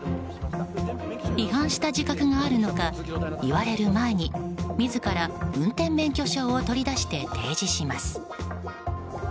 違反した自覚があるのか言われる前に自ら運転免許証を取り出して提示します。